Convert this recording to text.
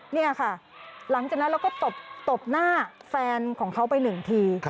นี่ค่ะหลังจากนั้นเราก็ตบหน้าแฟนของเขาไปหนึ่งที